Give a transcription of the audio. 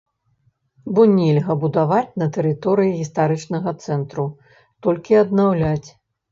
Бо нельга будаваць на тэрыторыі гістарычнага цэнтру, толькі аднаўляць.